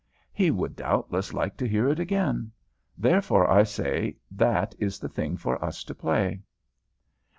He would doubtless like to hear it again. Therefore I say that is the thing for us to play."